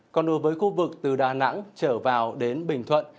còn đối với khu vực từ đà nẵng trở vào đến bình thuận